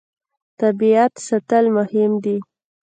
طبیعت ساتل مهم دي.